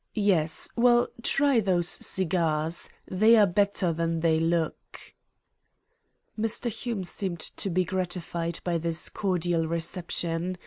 Yes. Well, try those cigarettes. They are better than they look." Mr. Hume seemed to be gratified by this cordial reception.